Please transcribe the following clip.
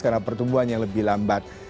karena pertumbuhan yang lebih lambat